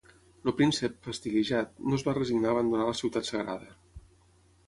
El príncep, fastiguejat, no es va resignar a abandonar la ciutat sagrada.